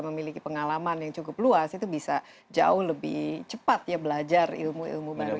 memiliki pengalaman yang cukup luas itu bisa jauh lebih cepat ya belajar ilmu ilmu baru